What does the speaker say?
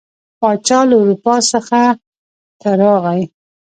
پاچا له اروپا څخه ته راغی.